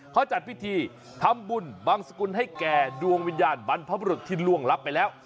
เขาจัดพิธีทำบุญบังสกุลให้แก่ดวงวิญญาณบรรพบรุษที่ล่วงลับไปแล้ว